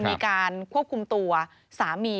มีการควบคุมตัวสามี